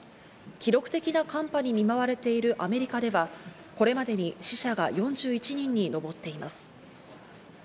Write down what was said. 記録的な寒波に見舞われているアメリカではこれまでに死者が４１人に上っています。